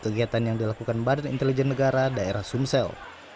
kegiatan yang dilakukan badan intelijen negara daerah sumsel